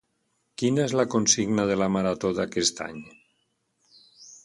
Quina és la consigna de La Marató d'aquest any?